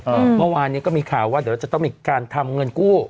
เมื่อวานนี้ก็มีข่าวว่าเดี๋ยวเราจะต้องมีการทำเงินกู้